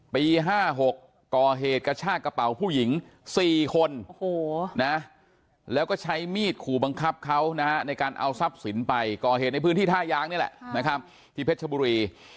ปี๕๖ก่อเหตุกระชากระเป๋าผู้หญิง๔คนแล้วก็ใช้มีดขู่บังคับเขานะฮะในการเอาทรัพย์สินไปก่อเหตุในพื้นที่ท่ายางนี่แหละนะครับที่เพชรชบุรี